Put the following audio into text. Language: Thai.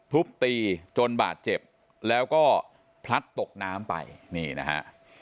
ทุบตีจนบาดเจ็บแล้วก็พลัดตกน้ำไปนี่นะฮะ